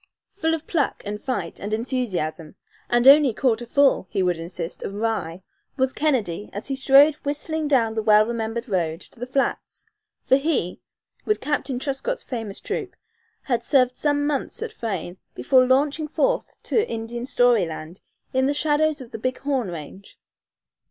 Full of pluck and fight and enthusiasm, and only quarter full, he would insist, of rye, was Kennedy as he strode whistling down the well remembered road to the flats, for he, with Captain Truscott's famous troop, had served some months at Frayne before launching forth to Indian story land in the shadows of the Big Horn range.